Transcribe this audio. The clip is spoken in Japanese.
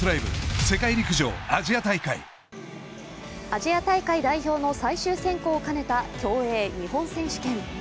アジア大会代表の最終選考を兼ねた競泳日本選手権。